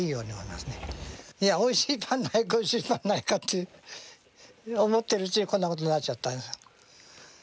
いやおいしいパンないかおいしいパンないかって思ってるうちにこんな事になっちゃった。